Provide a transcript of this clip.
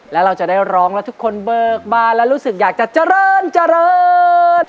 แล้วเราจะได้ร้องแล้วทุกคนเบิกบานแล้วรู้สึกอยากจะเจริญเจริญ